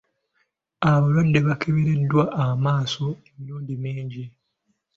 Abalwadde baakebereddwa amaaso emirundi mingi.